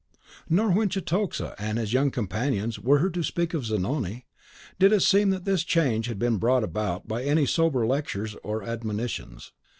Nor when Cetoxa and his young companions were heard to speak of Zanoni, did it seem that this change had been brought about by any sober lectures or admonitions.